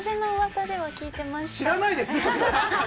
知らないですね。